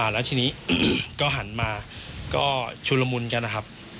แล้วทีนี้ก็หันมาก็ชุลมุนกันนะครับ